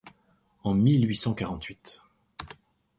En mille huit cent quarante-huit